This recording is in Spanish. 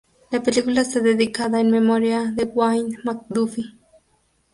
La película está dedicada en memoria de Dwayne McDuffie.